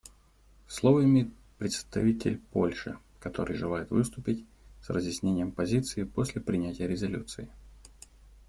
Слово имеет представитель Польши, который желает выступить с разъяснением позиции после принятия резолюции.